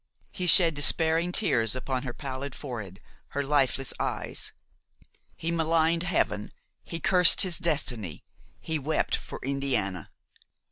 He shed despairing tears upon her pallid forehead, her lifeless eyes. He maligned Heaven, he cursed his destiny, he wept for Indiana.